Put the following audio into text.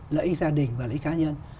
lợi ích gia đình và lợi ích cá nhân